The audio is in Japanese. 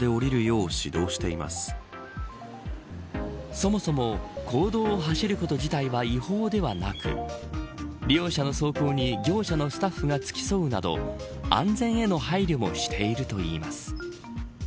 そもそも公道を走ること自体は違法ではなく利用者の走行に業者のスタッフが付き添うなど安全への配慮もしているといいます。